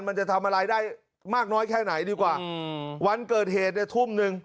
มันจะทำอะไรได้มากน้อยแค่ไหนดีกว่าอืมวันเกิดเหตุในทุ่มหนึ่ง